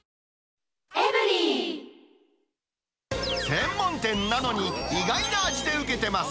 専門店なのに、意外な味でウケてます！